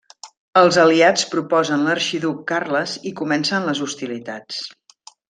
Els aliats proposen l'Arxiduc Carles i comencen les hostilitats.